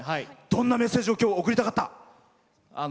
どんなメッセージをきょう送りたかった？